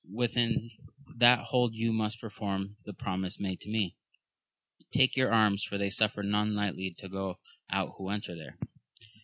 within that hold you must perform the promise made to me ; take your arms, for they suffer none lightly to go out who enter there.